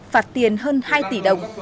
phạt tiền hơn hai tỷ đồng